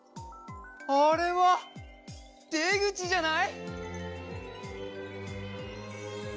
あれはでぐちじゃない？